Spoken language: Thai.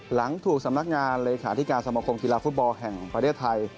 หลังถูกสำนักงานเลขาธิการสมคมกีฬาฟุตบอลแห่งประเทศไทย